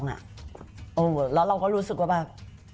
แล้วเราก็รู้สึกว่าแบบ